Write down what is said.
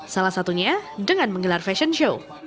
salah satunya dengan menggelar fashion show